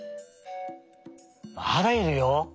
まだいるよ。